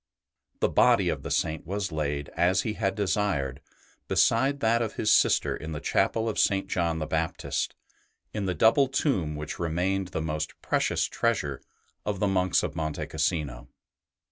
The body of the Saint was laid, as he had desired, beside that of his sister in the Chapel of St. John the Baptist, in the double tomb ST. BENEDICT 113 which remained the most precious treasure of the monks of Monte Cassino.